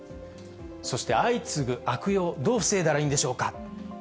そして相次ぐ悪用、どう防いだらいいんでしょうか。